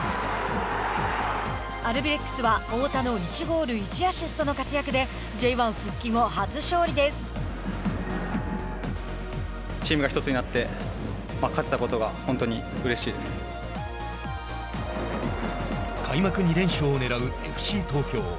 アルビレックスは大田の１ゴール、１アシストの活躍でＪ１復帰後開幕２連勝をねらうＦＣ東京。